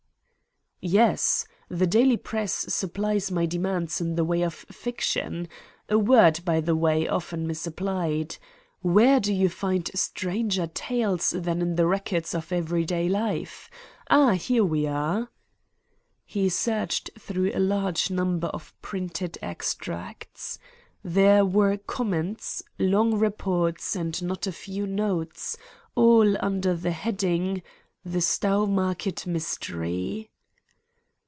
"Yes. The daily press supplies my demands in the way of fiction a word, by the way, often misapplied. Where do you find stranger tales than in the records of every day life? Ah, here we are!" He searched through a large number of printed extracts. There were comments, long reports, and not a few notes, all under the heading: "The Stowmarket Mystery."